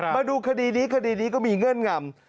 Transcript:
มาดูคดีนี้คดีนี้ก็มีเงื่อนงำ